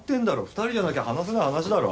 ２人じゃなきゃ話せない話だろ。